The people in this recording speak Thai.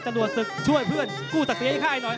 จรวดศึกช่วยเพื่อนกู้สัตเตียงไข้หน่อย